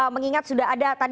mengingat sudah ada